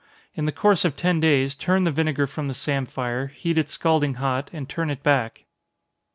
In the course of ten days, turn the vinegar from the samphire, heat it scalding hot, and turn it back.